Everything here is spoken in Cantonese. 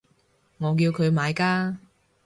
我叫佢買㗎